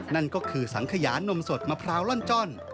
นั่นก็คือสังขยานมสดมะพร้าวล่อนจ้อน